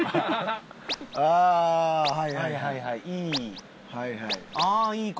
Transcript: ああはいはいはい。